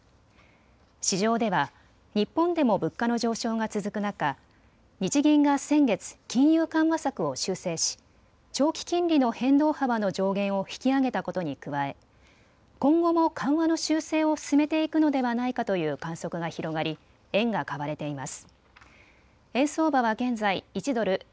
市場では日本でも物価の上昇が続く中、日銀が先月、金融緩和策を修正し長期金利の変動幅の上限を引き上げたことに加え、今後も緩和の修正を進めていくのではないかという観測が広がり円が買われています。